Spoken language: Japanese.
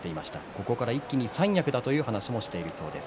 ここから一気に三役だという話もしているということです。